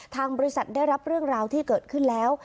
ทางบริษัทได้รับเรื่องราวที่เกิดขึ้นแล้ว